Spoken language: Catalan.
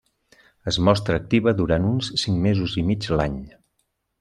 Es mostra activa durant uns cinc mesos i mig l'any.